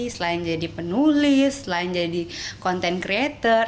selain jadi penulis selain jadi content creator